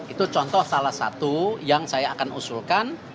itu contoh salah satu yang saya akan usulkan